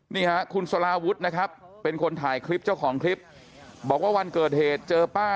นะครับเป็นคนถ่ายคลิปเจ้าของคลิปบอกว่าวันเกิดเหตุเจอป้า